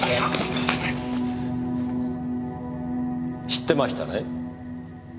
知ってましたね？